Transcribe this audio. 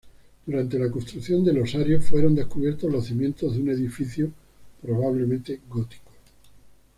Durante la construcción del osario fueron descubiertos los cimientos de un edificio probablemente gótico.